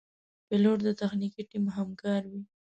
پیلوټ د تخنیکي ټیم همکار وي.